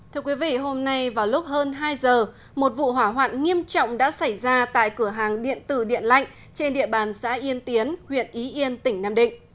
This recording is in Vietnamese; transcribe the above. thưa quý vị hôm nay vào lúc hơn hai giờ một vụ hỏa hoạn nghiêm trọng đã xảy ra tại cửa hàng điện tử điện lạnh trên địa bàn xã yên tiến huyện ý yên tỉnh nam định